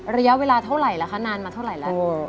ระยะเวลาเท่าไหร่แล้วคะนานมาเท่าไหร่แล้ว